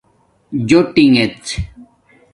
جٹیݣہ